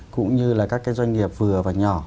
cũng như các doanh nghiệp vừa và nhỏ